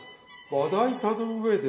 まな板の上で。